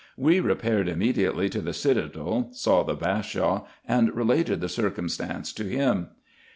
We repaired immediately to the citadel, saw the Bashaw, and related the circumstance to him.